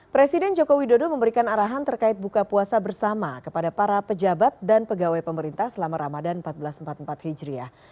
presiden joko widodo memberikan arahan terkait buka puasa bersama kepada para pejabat dan pegawai pemerintah selama ramadan seribu empat ratus empat puluh empat hijriah